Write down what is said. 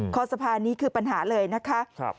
คอสะพานนี้คือปัญหาเลยนะคะ